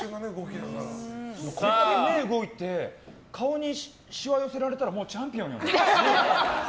目が動いて顔にしわを寄せられたらもうチャンピオンよね。